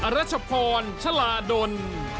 รัชพรชลาดล